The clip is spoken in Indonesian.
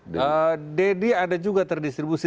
deddy ada juga terdistribusi